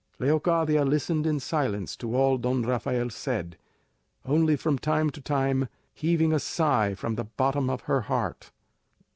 Leocadia listened in silence to all Don Rafael said, only from time to time heaving a sigh from the bottom of her heart.